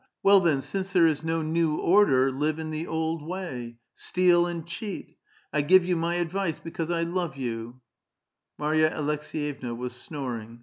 Well, , then, since there is no new order, live in the old way; steal and cheat. I ii:ive vou niv advice because I love vou — khrrr." Marya Aleks^yevna was snoring